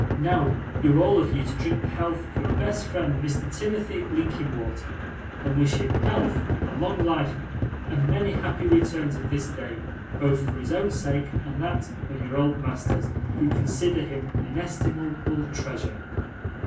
Now, you're all of you to drink the health of your best friend Mr. Timothy Linkinwater, and wish him health and long life and many happy returns of this day, both for his own sake and that of your old masters, who consider him an inestimable treasure.